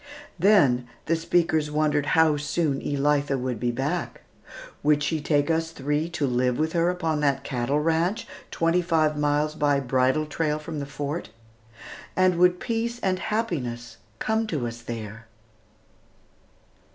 Then the speakers wondered how soon Elitha would be back. Would she take us three to live with her on that cattle ranch twenty five miles by bridle trail from the Fort? And would peace and happiness come to us there?